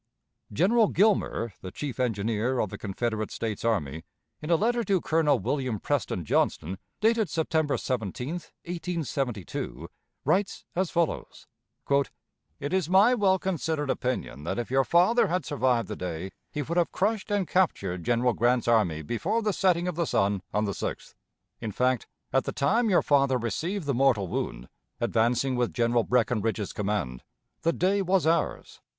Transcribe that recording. General Gilmer, the chief engineer of the Confederate States Army, in a letter to Colonel William Preston Johnston, dated September 17, 1872, writes as follows: "It is my well considered opinion that if your father had survived the day he would have crushed and captured General Grant's army before the setting of the sun on the 6th. In fact, at the time your father received the mortal wound, advancing with General Breckinridge's command, the day was ours.